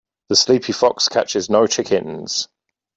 The sleepy fox catches no chickens.